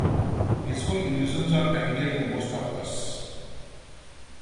Visual illusions are familiar to most of us.